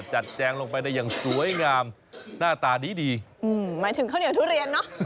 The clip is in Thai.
แจงลงไปได้อย่างสวยงามหน้าตาดีดีอืมหมายถึงข้าวเหนียวทุเรียนเนอะ